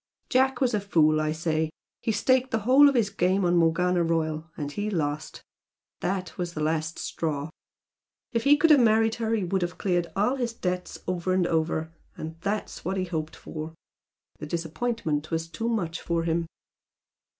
Jack was a fool, I say he staked the whole of his game on Morgana Royal, and he lost. That was the last straw. If he could have married her he would have cleared all his debts over and over and that's what he had hoped for. The disappointment was too much for him."